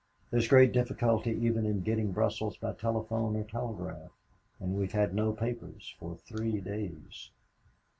There is great difficulty even in getting Brussels by telephone or telegraph, and we've had no papers for three days.